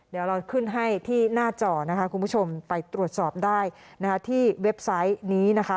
เดี๋ยวเราขึ้นให้ที่หน้าจอนะคะคุณผู้ชมไปตรวจสอบได้นะคะที่เว็บไซต์นี้นะคะ